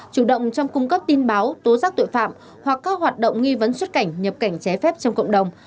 chủ động trong cung cấp tin báo tố giác tội phạm hoặc các hoạt động nghi vấn xuất cảnh nhập cảnh trái phép trong cộng đồng